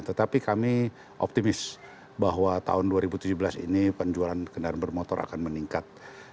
tetapi kami optimis bahwa tahun dua ribu tujuh belas ini penjualan kendaraan bermotor akan meningkat